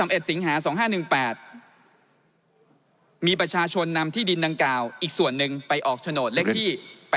มีประชาชนนำที่ดินดังกล่าวอีกส่วนหนึ่งไปออกโฉนดเลขที่๘๘